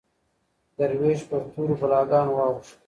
دروېش پر تورو بلاګانو واوښت